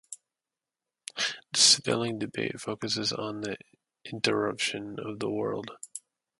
The spelling debate focuses on the interpretation of the word.